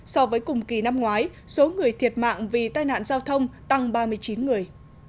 so với cùng kỳ năm ngoái số người thiệt mạng vì tai nạn giao thông tăng ba mươi chín người